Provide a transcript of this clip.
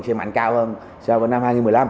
trên mạnh cao hơn so với năm hai nghìn một mươi năm